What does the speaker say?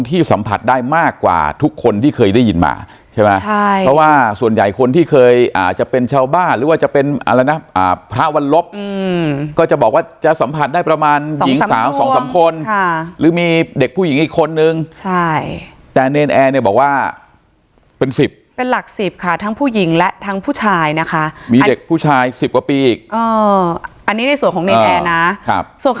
สัมผัสได้มากกว่าทุกคนที่เคยได้ยินมาใช่ไหมใช่เพราะว่าส่วนใหญ่คนที่เคยอาจจะเป็นชาวบ้านหรือว่าจะเป็นอะไรนะพระวันลบก็จะบอกว่าจะสัมผัสได้ประมาณหญิงสาวสองสามคนค่ะหรือมีเด็กผู้หญิงอีกคนนึงใช่แต่เนรนแอร์เนี่ยบอกว่าเป็นสิบเป็นหลักสิบค่ะทั้งผู้หญิงและทั้งผู้ชายนะคะมีเด็กผู้ชายสิบกว่าปีอีกอันนี้ในส่วนของเนรแอร์นะครับส่วน